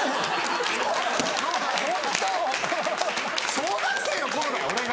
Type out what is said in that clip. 小学生の頃だよ俺が。